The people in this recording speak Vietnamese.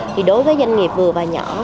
thì đối với doanh nghiệp vừa và nhỏ